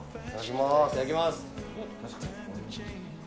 いただきます。